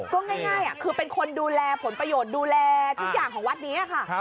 ก็ง่ายคือเป็นคนดูแลผลประโยชน์ดูแลทุกอย่างของวัดนี้ค่ะ